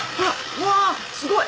うわすごい。